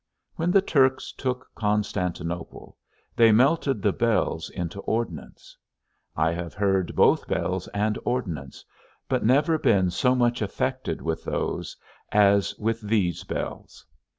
When the Turks took Constantinople, they melted the bells into ordnance; I have heard both bells and ordnance, but never been so much affected with those as with these bells.